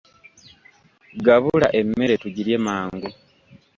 Gabula emmere tugirye mangu.